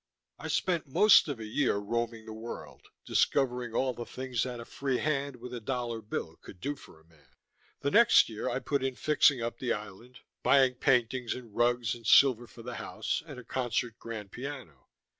I spent most of a year roaming the world, discovering all the things that a free hand with a dollar bill could do for a man. The next year I put in fixing up the island, buying paintings and rugs and silver for the house, and a concert grand piano.